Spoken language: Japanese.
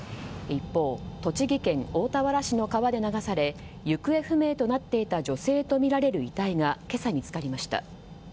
一方、栃木県大田原市の川で流され行方不明となっていた女性とみられる遺体が今朝、見つかりました。